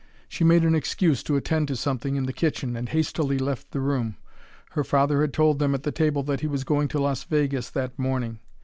She made an excuse to attend to something in the kitchen, and hastily left the room. Her father had told them at the table that he was going to Las Vegas that morning.